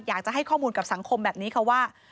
อยากจะให้ข้อมูลกับสังคมแบบนี้ค่ะว่า